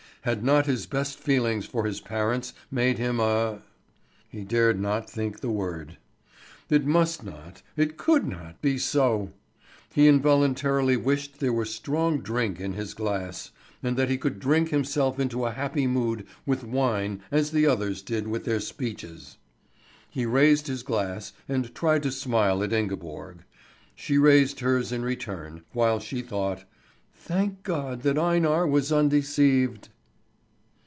Had not his best feelings for his parents made him a He dared not think the word. It must not, it could not, be so! He involuntarily wished there were strong drink in his glass, and that he could drink himself into a happy mood with wine as the others did with their speeches. He raised his glass, and tried to smile at Ingeborg. She raised hers in return, while she thought, "Thank God that Einar was undeceived!"